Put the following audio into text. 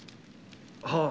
はあ